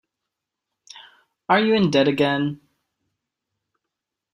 Are you in debt again?